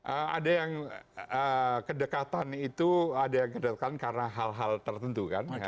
ada yang kedekatan itu karena hal hal tertentu kan